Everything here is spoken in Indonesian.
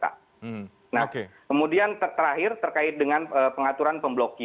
nah kemudian terakhir terkait dengan pengaturan pemblokir